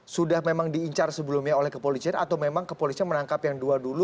sudah memang diincar sebelumnya oleh kepolisian atau memang kepolisian menangkap yang dua dulu